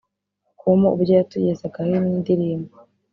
com ubwo yatugezagaho iyi ndirimbo